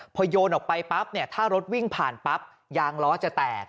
พอโยนออกไปปั๊บเนี่ยถ้ารถวิ่งผ่านปั๊บยางล้อจะแตก